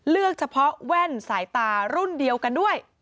เฉพาะแว่นสายตารุ่นเดียวกันด้วย